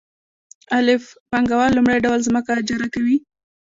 الف پانګوال لومړی ډول ځمکه اجاره کوي